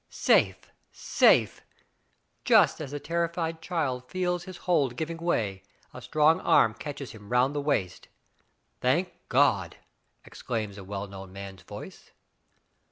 Safe — safe! Just as the terrified child feels his hold giving way, a strong arm catches him round the waist. "Thank God!*' exclaims a well known man*s voice.